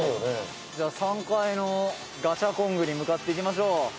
「じゃあ３階のガチャコングに向かっていきましょう」